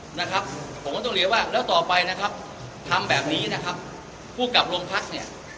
นะครับผมก็ต้องเรียนว่าแล้วต่อไปนะครับทำแบบนี้นะครับผู้กลับโรงพักเนี่ย